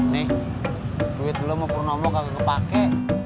nih duit lo mau purnomo kagak kepake